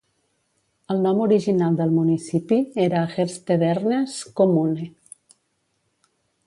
El nom original del municipi era Herstedernes Kommune.